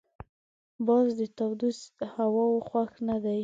باز د تودو هواوو خوښ نه دی